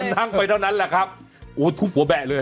นั่งไปเท่านั้นแหละครับโอ้ทุบหัวแบะเลย